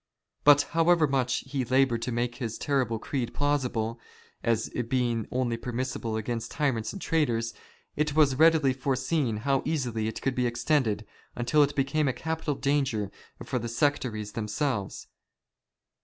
But however much he laboured to make his terrible creed plausible, as being only permissible against tyrants and traitors, it was readily foreseen how easily it could be extended, until it became a capital danger for the sectaries themselves.